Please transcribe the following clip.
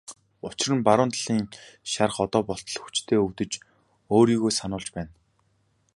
Учир нь баруун талын шарх одоо болтол хүчтэй өвдөж өөрийгөө сануулж байна.